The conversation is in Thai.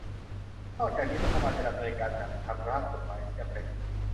นอกจากนี้รัฐบาลจะดำเนินการจัดทำร่างกฎหมายที่จำเป็น